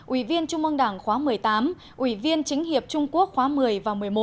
ủy viên trung mương đảng khóa một mươi tám ủy viên chính hiệp trung quốc khóa một mươi và một mươi một